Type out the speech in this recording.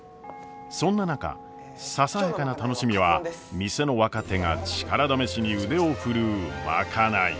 そんな中ささやかな楽しみは店の若手が力試しに腕を振るう賄い。